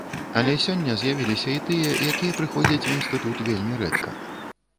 Але сягоння з'явіліся і тыя, якія прыходзяць у інстытут вельмі рэдка.